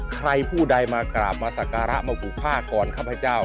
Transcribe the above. ใครผู้ใดมากราบมัสการะมาภูมิภาคกรครับพระเจ้า